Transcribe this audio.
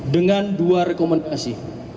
dengan dua rekomendasi